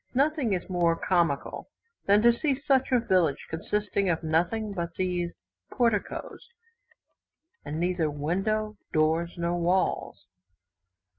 Nothing is more comical than to see such a village, consisting of nothing but these porticoes, and neither windows, doors, nor walls.